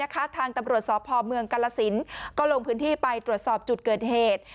ก็โดยลงที่ที่ตอบจุดเกิดเหตุ